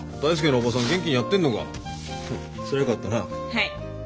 はい。